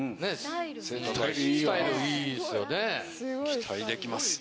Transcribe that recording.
・期待できます